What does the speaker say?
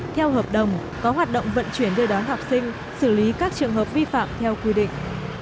theo hợp đồng có hoạt động vận chuyển đưa đón học sinh xử lý các trường hợp vi phạm theo quy định